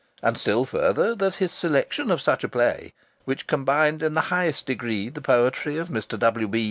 And still further that his selection of such a play, which combined in the highest degree the poetry of Mr. W.